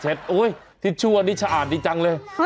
โอ๊ยทิชชู่อันนี้สะอาดดีจังเลย